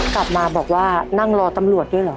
กลับมาบอกว่านั่งรอตำรวจด้วยเหรอ